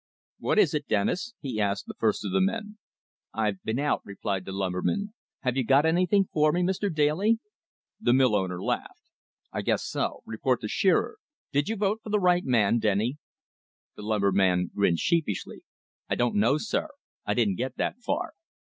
"What is it, Dennis?" he asked the first of the men. "I've been out," replied the lumberman. "Have you got anything for me, Mr. Daly?" The mill owner laughed. "I guess so. Report to Shearer. Did you vote for the right man, Denny?" The lumberman grinned sheepishly. "I don't know, sir. I didn't get that far."